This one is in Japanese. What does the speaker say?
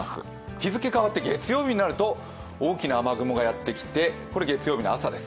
日付変わって月曜日になると大きな雨雲がやってきて、これは月曜日の朝です。